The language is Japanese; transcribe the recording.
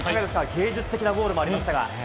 芸術的なゴールもありました。